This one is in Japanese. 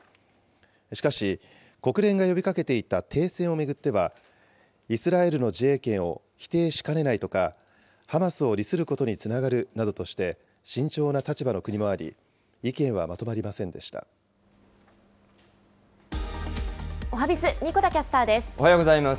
しかし、国連が呼びかけていた停戦を巡っては、イスラエルの自衛権を否定しかねないとか、ハマスを利することにつながるなどとして、慎重な立場の国もあり、意見おはＢｉｚ、神子田キャスタおはようございます。